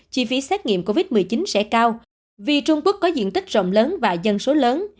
chi phí xét nghiệm covid một mươi chín sẽ cao vì trung quốc có diện tích rộng lớn và dân số lớn